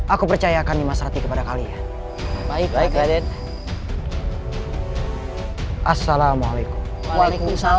aku percayakan nimas ratih kepada kalian